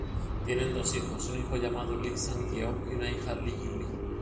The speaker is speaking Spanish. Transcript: Tienen dos hijos, un hijo llamado Lee Sang-yeob y una hija, Lee Yuri.